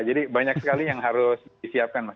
jadi banyak sekali yang harus disiapkan pak